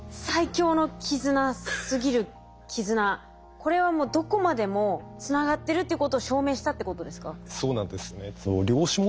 これはもうどこまでもつながってるっていうことを証明したってことですか？